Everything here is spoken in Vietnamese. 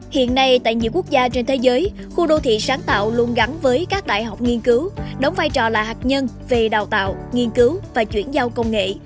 hiện nay tại nhiều quốc gia trên thế giới khu đô thị sáng tạo luôn gắn với các đại học nghiên cứu đóng vai trò là hạt nhân về đào tạo nghiên cứu và chuyển giao công nghệ